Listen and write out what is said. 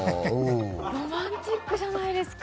ロマンチックじゃないですか。